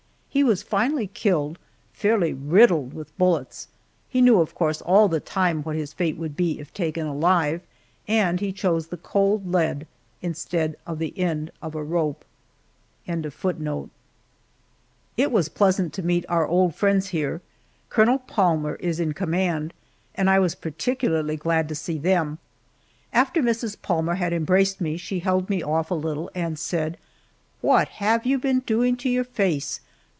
He was finally killed, fairly riddled with bullets. He knew, of course, all the time what his fate would be if taken alive, and he chose the cold lead instead of the end of a rope. It was pleasant to meet our old friends here. Colonel Palmer is in command, and I was particularly glad to see them. After Mrs. Palmer had embraced me she held me off a little and said: "What have you been doing to your face?